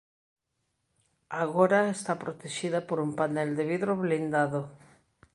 Agora está protexida por un panel de vidro blindado.